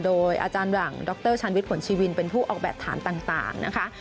โดยอาจารย์หลังดรชาญวิทย์ผลชีวินเป็นผู้ออกแบบฐานต่างนะคะ